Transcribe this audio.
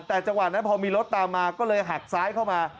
แต่จังหวะนั้นพอมีรถตามมาก็เลยหักซ้ายเข้ามา